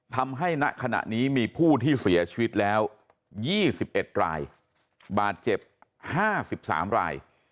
ณขณะนี้มีผู้ที่เสียชีวิตแล้ว๒๑รายบาดเจ็บ๕๓ราย